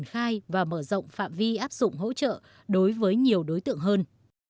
khai và mở rộng phạm vi áp dụng hỗ trợ đối với nhiều đối tượng hơn